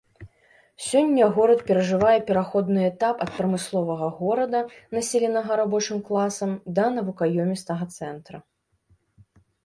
Сёння горад перажывае пераходны этап ад прамысловага горада, населенага рабочым класам, да навукаёмістага цэнтра.